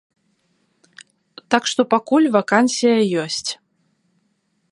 Так што пакуль вакансія ёсць.